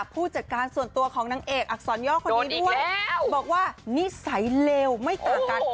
ผู้จัดการส่วนตัวของนางเอกอักษรย่อคนนี้ด้วยบอกว่านิสัยเลวไม่ต่างกัน